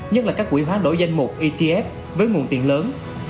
nhất là các quỹ hoán đổi danh mục etf với nguồn tiền lớn